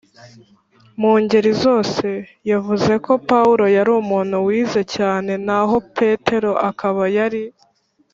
mu ngeri zose. yavuze ko paulo yari umuntu wize cyane naho petero akaba yari